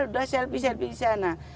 sudah selvi selvi di sana